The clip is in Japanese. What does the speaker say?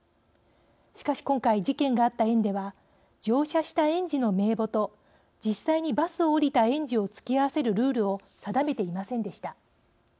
しかし、今回事件があった園では乗車した園児の名簿と実際にバスを降りた園児を突き合わせるルールを定めていませんでした。